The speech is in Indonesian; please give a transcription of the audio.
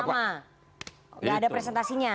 nggak ada presentasinya